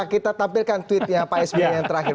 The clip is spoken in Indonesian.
kita tampilkan tweetnya pak sby yang terakhir